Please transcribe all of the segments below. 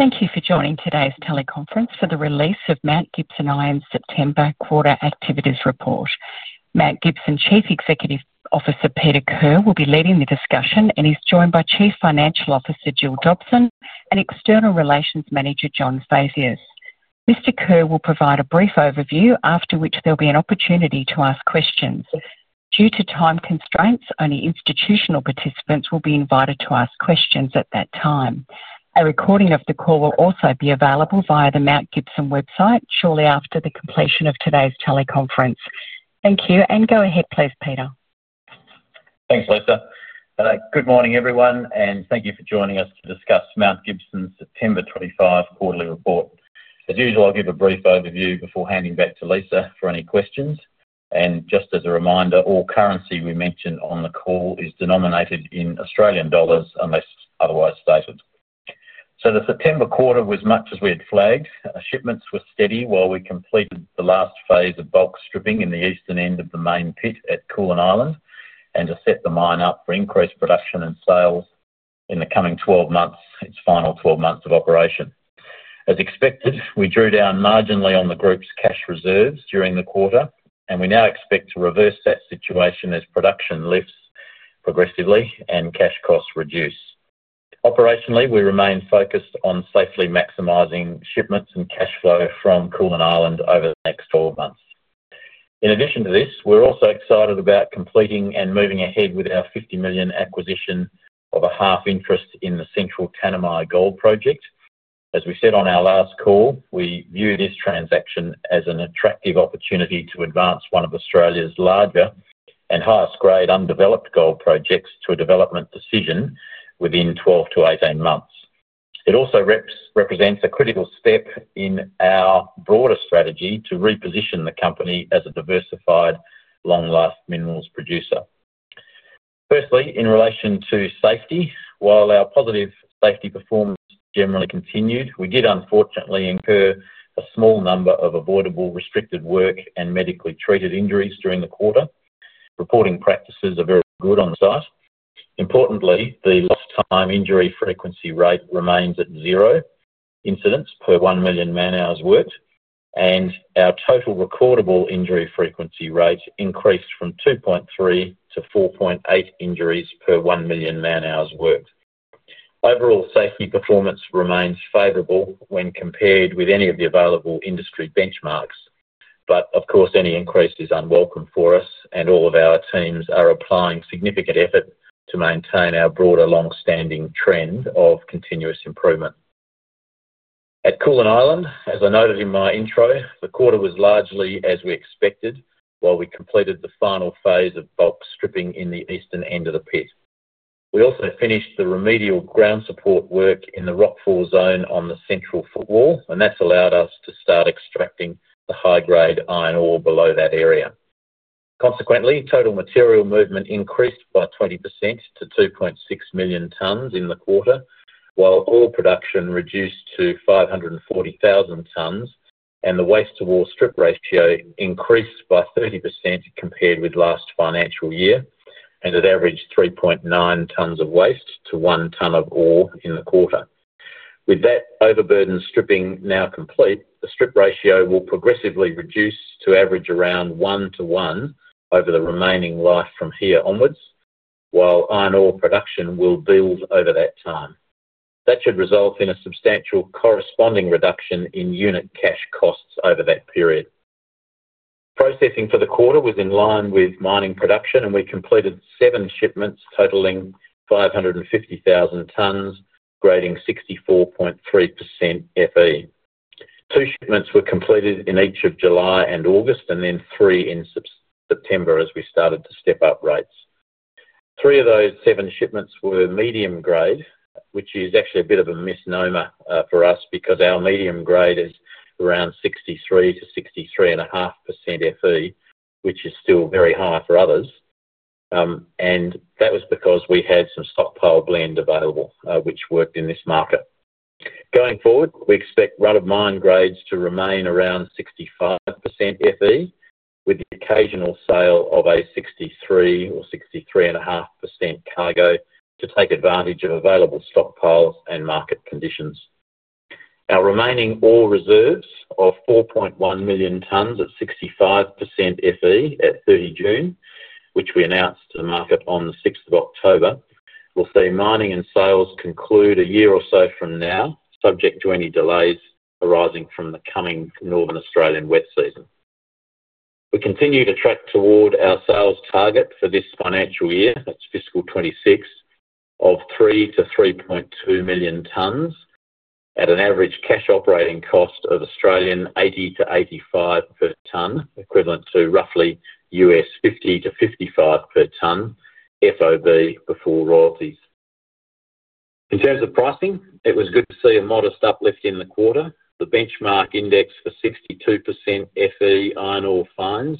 Thank you for joining today's teleconference for the release of Mount Gibson Iron's September quarter activities report. Mount Gibson Chief Executive Officer Peter Kerr will be leading the discussion and is joined by Chief Financial Officer Gill Dobson and External Relations Manager John Phaceas. Mr. Kerr will provide a brief overview, after which there will be an opportunity to ask questions. Due to time constraints, only institutional participants will be invited to ask questions at that time. A recording of the call will also be available via the Mount Gibson website shortly after the completion of today's teleconference. Thank you, and go ahead please, Peter. Thanks, Lisa. Good morning everyone, and thank you for joining us to discuss Mount Gibson's September 2025 quarterly report. As usual, I'll give a brief overview before handing back to Lisa for any questions. Just as a reminder, all currency we mention on the call is denominated in Australian dollars unless otherwise stated. The September quarter was much as we had flagged. Shipments were steady while we completed the last phase of bulk stripping in the eastern end of the main pit at Koolan Island to set the mine up for increased production and sales in the coming 12 months, its final 12 months of operation. As expected, we drew down marginally on the group's cash reserves during the quarter, and we now expect to reverse that situation as production lifts progressively and cash costs reduce. Operationally, we remain focused on safely maximizing shipments and cash flow from Koolan Island over the next 12 months. In addition to this, we're also excited about completing and moving ahead with our 50 million acquisition of a half interest in the Central Tanami Gold Project. As we said on our last call, we view this transaction as an attractive opportunity to advance one of Australia's larger and highest grade undeveloped gold projects to a development decision within 12-18 months. It also represents a critical step in our broader strategy to reposition the company as a diversified long-lasting minerals producer. Firstly, in relation to safety, while our positive safety performance generally continued, we did unfortunately incur a small number of avoidable restricted work and medically treated injuries during the quarter. Reporting practices are very good on the site. Importantly, the lost time injury frequency rate remains at zero incidents per 1 million man-hours worked, and our total recordable injury frequency rate increased from 2.3-4.8 injuries per 1 million man-hours worked. Overall safety performance remains favorable when compared with any of the available industry benchmarks, but of course, any increase is unwelcome for us, and all of our teams are applying significant effort to maintain our broader long-standing trend of continuous improvement. At Koolan Island, as I noted in my intro, the quarter was largely as we expected while we completed the final phase of bulk stripping in the eastern end of the pit. We also finished the remedial ground support work in the rockfall zone on the central footwall, and that's allowed us to start extracting the high-grade iron ore below that area. Consequently, total material movement increased by 20% to 2.6 million tonnes in the quarter, while ore production reduced to 540,000 tonnes, and the waste-to-ore strip ratio increased by 30% compared with last financial year, and it averaged 3.9 tonnes of waste to one tonne of ore in the quarter. With that overburden stripping now complete, the strip ratio will progressively reduce to average around one to one over the remaining life from here onwards, while iron ore production will build over that time. That should result in a substantial corresponding reduction in unit cash costs over that period. Processing for the quarter was in line with mining production, and we completed seven shipments totaling 550,000 tonnes, grading 64.3% Fe. Two shipments were completed in each of July and August, and then three in September as we started to step up rates. Three of those seven shipments were medium grade, which is actually a bit of a misnomer for us because our medium grade is around 63%-63.5% Fe, which is still very high for others. That was because we had some stockpile blend available, which worked in this market. Going forward, we expect run-of-mine grades to remain around 65% Fe, with the occasional sale of a 63%-63.5% cargo to take advantage of available stockpiles and market conditions. Our remaining ore reserves of 4.1 million tonnes at 65% Fe at 30 June, which we announced to the market on the 6th of October, will see mining and sales conclude a year or so from now, subject to any delays arising from the coming northern Australian wet season. We continue to track toward our sales target for this financial year, that's fiscal 2026, of 3 million-3.2 million tonnes at an average cash operating cost of 80-85 per tonne, equivalent to roughly $50-$55 per tonne FOB before royalties. In terms of pricing, it was good to see a modest uplift in the quarter. The benchmark index for 62% Fe iron ore fines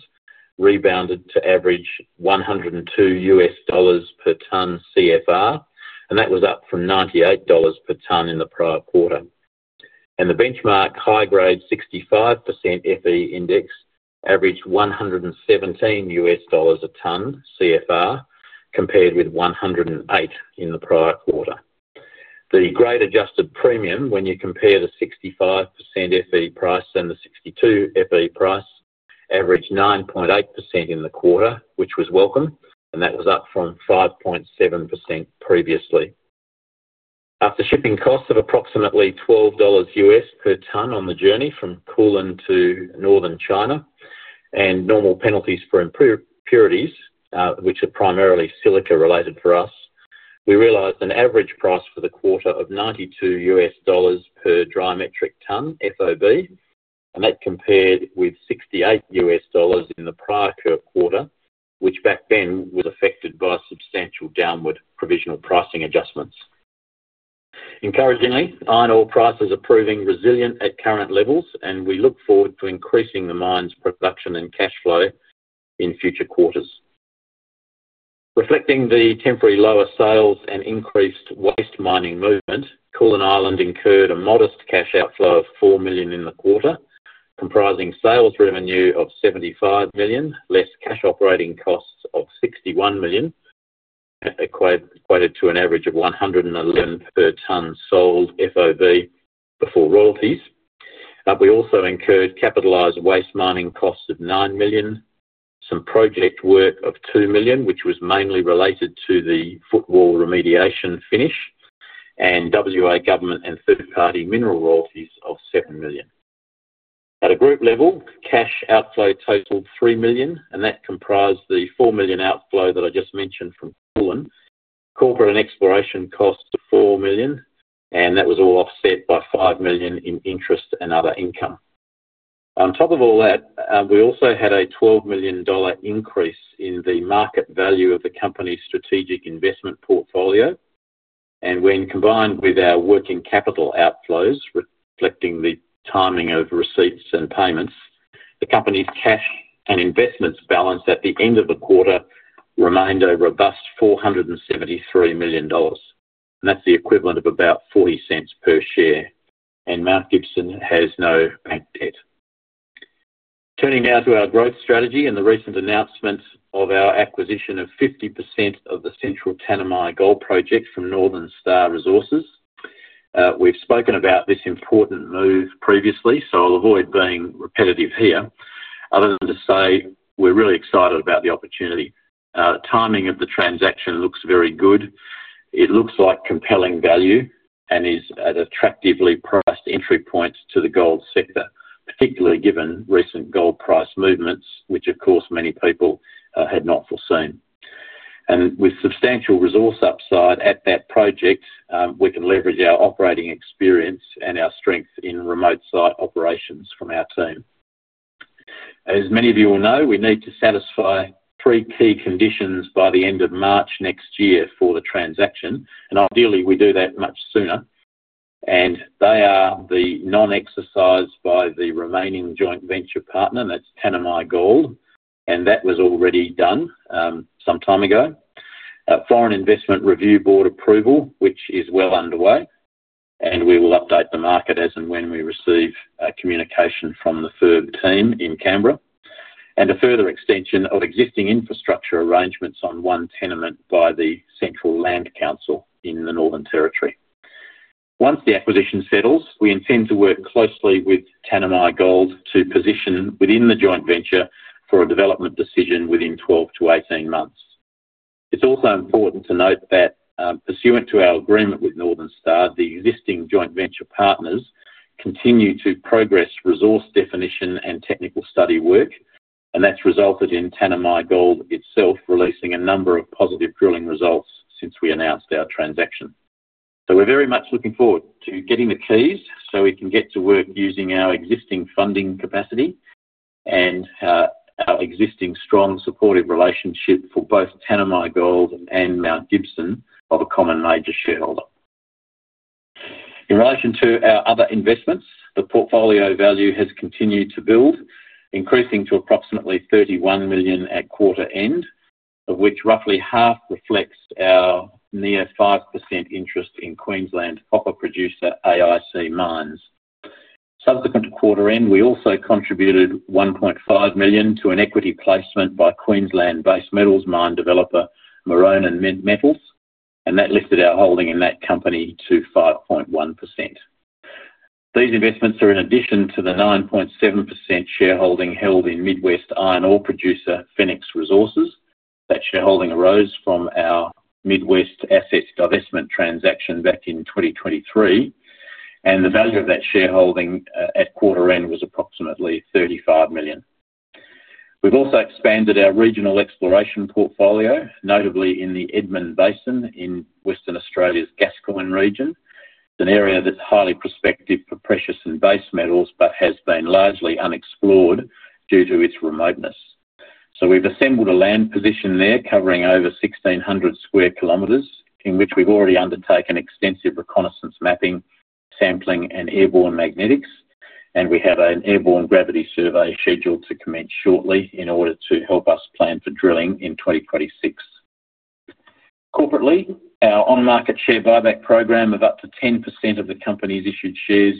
rebounded to average $102 per tonne CFR, and that was up from $98 per tonne in the prior quarter. The benchmark high-grade 65% Fe index averaged $117 a tonne CFR compared with $108 in the prior quarter. The grade adjusted premium, when you compare the 65% Fe price and the 62% Fe price, averaged 9.8% in the quarter, which was welcome, and that was up from 5.7% previously. After shipping costs of approximately $12 per tonne on the journey from Koolan to northern China and normal penalties for impurities, which are primarily silica related for us, we realized an average price for the quarter of $92 per dry metric tonne FOB, and that compared with $68 in the prior quarter, which back then was affected by substantial downward provisional pricing adjustments. Encouragingly, iron ore prices are proving resilient at current levels, and we look forward to increasing the mine's production and cash flow in future quarters. Reflecting the temporary lower sales and increased waste mining movement, Koolan Island incurred a modest cash outflow of 4 million in the quarter, comprising sales revenue of 75 million, less cash operating costs of 61 million, equated to an average of 111 per tonne sold FOB before royalties. We also incurred capitalized waste mining costs of 9 million, some project work of 2 million, which was mainly related to the footwall remediation finish, and W.A. government and third-party mineral royalties of 7 million. At a group level, cash outflow totaled 3 million, and that comprised the 4 million outflow that I just mentioned from Koolan, corporate and exploration costs of 4 million, and that was all offset by 5 million in interest and other income. On top of all that, we also had a 12 million dollar increase in the market value of the company's strategic investment portfolio, and when combined with our working capital outflows, reflecting the timing of receipts and payments, the company's cash and investments balance at the end of the quarter remained a robust 473 million dollars, and that's the equivalent of about 0.40 per share, and Mount Gibson has no bank debt. Turning now to our growth strategy and the recent announcement of our acquisition of 50% of the Central Tanami Gold Project from Northern Star Resources. We've spoken about this important move previously, so I'll avoid being repetitive here, other than to say we're really excited about the opportunity. The timing of the transaction looks very good. It looks like compelling value and is at attractively priced entry points to the gold sector, particularly given recent gold price movements, which of course many people had not foreseen. With substantial resource upside at that project, we can leverage our operating experience and our strength in remote site operations from our team. As many of you will know, we need to satisfy three key conditions by the end of March next year for the transaction, and ideally we do that much sooner. They are the non-exercise by the remaining joint venture partner, and that's Tanami Gold, and that was already done some time ago, a foreign investment review board approval, which is well underway, and we will update the market as and when we receive communication from the FIRB team in Canberra, and a further extension of existing infrastructure arrangements on one tenement by the Central Land Council in the Northern Territory. Once the acquisition settles, we intend to work closely with Tanami Gold to position within the joint venture for a development decision within 12-18 months. It's also important to note that pursuant to our agreement with Northern Star, the existing joint venture partners continue to progress resource definition and technical study work, and that's resulted in Tanami Gold itself releasing a number of positive drilling results since we announced our transaction. We're very much looking forward to getting the keys so we can get to work using our existing funding capacity and our existing strong supportive relationship for both Tanami Gold and Mount Gibson of a common major shareholder. In relation to our other investments, the portfolio value has continued to build, increasing to approximately 31 million at quarter end, of which roughly half reflects our near 5% interest in Queensland copper producer AIC Mines. Subsequent to quarter end, we also contributed 1.5 million to an equity placement by Queensland base metals mine developer, Maronan Metals, and that lifted our holding in that company to 5.1%. These investments are in addition to the 9.7% shareholding held in Mid West iron ore producer Phoenix Resources. That shareholding arose from our Mid West assets divestment transaction back in 2023, and the value of that shareholding at quarter end was approximately 35 million. We've also expanded our regional exploration portfolio, notably in the Edmund Basin in Western Australia's Gascoyne region. It's an area that's highly prospective for precious and base metals, but has been largely unexplored due to its remoteness. We have assembled a land position there covering over 1,600 sq km, in which we've already undertaken extensive reconnaissance mapping, sampling, and airborne magnetics, and we have an airborne gravity survey scheduled to commence shortly in order to help us plan for drilling in 2026. Corporately, our on-market share buyback program of up to 10% of the company's issued shares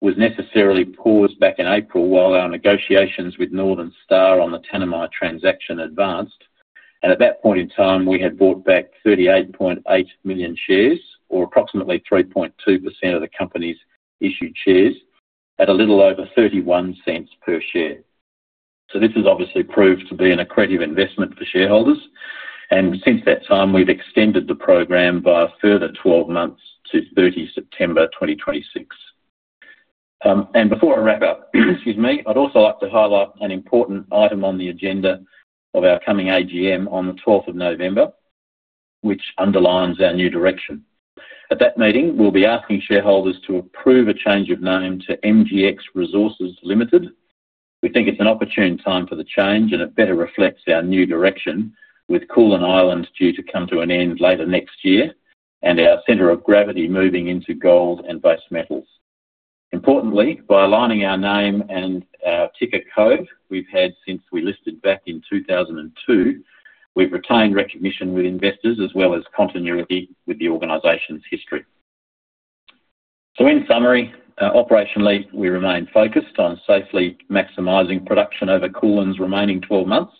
was necessarily paused back in April while our negotiations with Northern Star on the Tanami transaction advanced, and at that point in time, we had bought back 38.8 million shares, or approximately 3.2% of the company's issued shares, at a little over 0.31 per share. This has obviously proved to be an accretive investment for shareholders, and since that time, we've extended the program by a further 12 months to 30 September 2026. Before I wrap up, I'd also like to highlight an important item on the agenda of our coming AGM on the 12th of November, which underlines our new direction. At that meeting, we'll be asking shareholders to approve a change of name to MGX Resources Limited. We think it's an opportune time for the change, and it better reflects our new direction with Koolan Island due to come to an end later next year and our center of gravity moving into gold and base metals. Importantly, by aligning our name and our ticker code we've had since we listed back in 2002, we've retained recognition with investors as well as continuity with the organization's history. In summary, operationally, we remain focused on safely maximizing production over Koolan's remaining 12 months,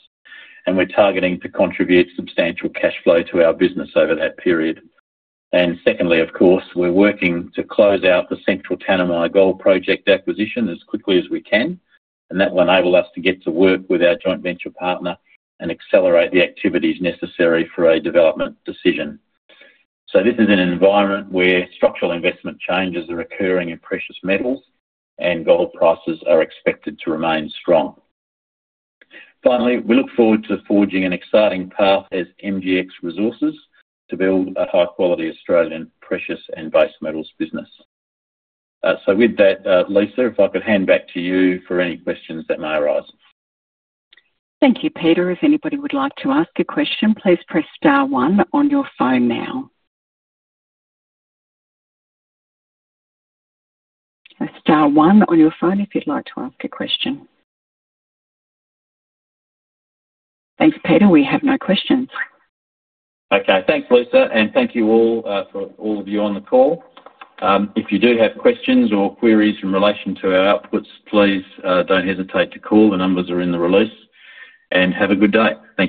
and we're targeting to contribute substantial cash flow to our business over that period. Secondly, of course, we're working to close out the Central Tanami Gold Project acquisition as quickly as we can, and that will enable us to get to work with our joint venture partner and accelerate the activities necessary for a development decision. This is an environment where structural investment changes are occurring in precious metals, and gold prices are expected to remain strong. Finally, we look forward to forging an exciting path as MGX Resources to build a high-quality Australian precious and base metals business. With that, Lisa, if I could hand back to you for any questions that may arise. Thank you, Peter. If anybody would like to ask a question, please press star one on your phone now. Star one on your phone if you'd like to ask a question. Thank you, Peter. We have no questions. Okay, thanks, Lisa, and thank you all for all of you on the call. If you do have questions or queries in relation to our outputs, please don't hesitate to call. The numbers are in the release. Have a good day. Thank you.